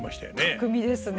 巧みですね。